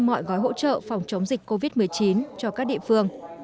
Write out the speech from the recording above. mọi gói hỗ trợ phòng chống dịch covid một mươi chín cho các địa phương